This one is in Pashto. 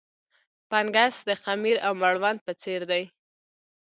فنګس د خمیر او مړوند په څېر دي.